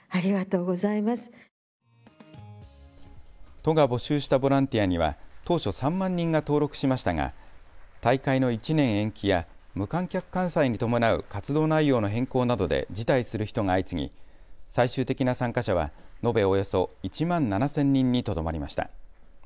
都が募集したボランティアには当初３万人が登録しましたが大会の１年延期や無観客開催に伴う活動内容の変更などで辞退する人が相次ぎ最終的な参加者は延べおよそ１万７０００人にとどまりました。